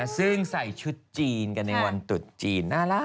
ซึ่งใส่ชุดจีนกันในวันตุดจีน